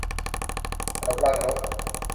ขนมรังนก